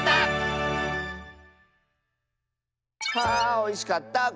あおいしかった。